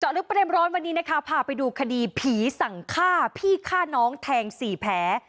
ลึกประเด็นร้อนวันนี้นะคะพาไปดูคดีผีสั่งฆ่าพี่ฆ่าน้องแทง๔แผล